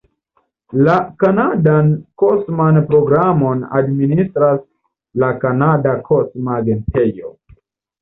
La kanadan kosman programon administras la Kanada Kosma Agentejo.